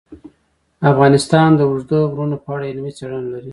افغانستان د اوږده غرونه په اړه علمي څېړنې لري.